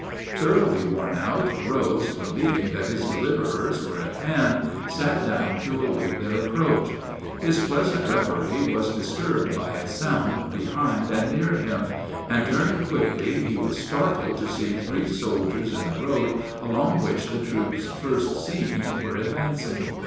Thoroughly worn out, Rose, believing that his deliverers were at hand, sat down to await their approach. His pleasant reverie was disturbed by a sound behind and near him, and turning quickly he was startled to see three soldiers in the road along which the troops first seen were advancing.